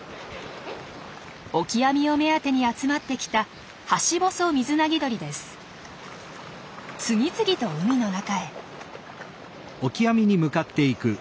オキアミを目当てに集まってきた次々と海の中へ。